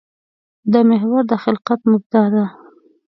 دا محور د خلقت مبدا ده.